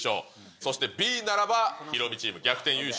そしてＢならば、ヒロミチーム逆転優勝。